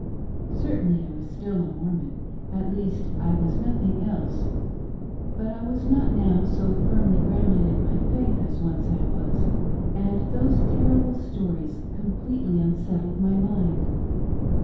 Certainly I was still a Mormon — at least I was nothing else — but I was not now so firmly grounded in my faith as once I was, and these terrible stories completely unsettled my mind.